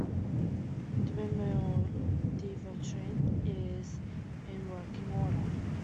The windmill "De Verwachting" is in working order.